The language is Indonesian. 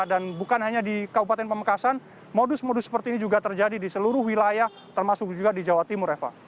dan bukan hanya di kabupaten pamekasan modus modus seperti ini juga terjadi di seluruh wilayah termasuk juga di jawa timur eva